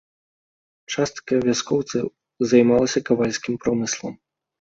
Частка вяскоўцаў займалася кавальскім промыслам.